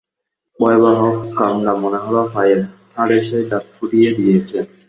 ভয়াবহ কামড়া মনে হল পায়ের হাড়ে সে দাঁত ফুটিয়ে দিয়েছে।